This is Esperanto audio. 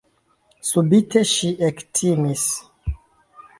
Subite ŝi ektimis.